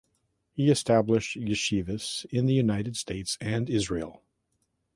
He established yeshivas in the United States and Israel.